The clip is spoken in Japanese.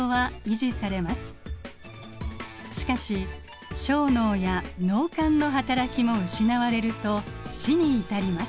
しかし小脳や脳幹の働きも失われると死に至ります。